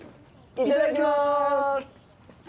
いただきます！